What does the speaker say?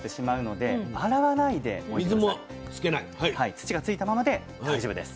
土がついたままで大丈夫です。